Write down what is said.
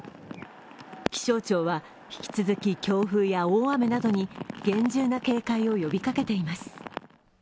気象庁は引き続き強風や大雨などに厳重な警戒を呼びかけています。